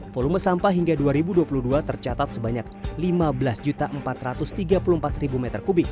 volume sampah hingga dua ribu dua puluh dua tercatat sebanyak lima belas empat ratus tiga puluh empat m tiga